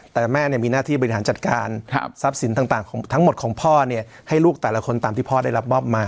แต่แม่มีหน้าที่บริหารจัดการทรัพย์สินต่างทั้งหมดของพ่อให้ลูกแต่ละคนตามที่พ่อได้รับมอบมา